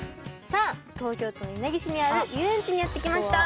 さあ東京都稲城市にある遊園地にやって来ました。